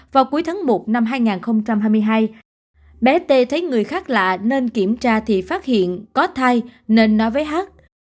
vào cuối tháng một năm hai nghìn hai mươi hai bé t thấy người khác lạ nên kiểm tra thì phát hiện có thai nên nói với hát